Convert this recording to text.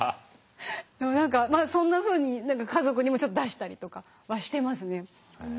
まあそんなふうに何か家族にもちょっと出したりとかはしてますねはい。